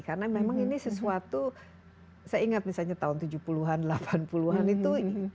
karena memang ini sesuatu saya ingat misalnya tahun tujuh puluh an delapan puluh an itu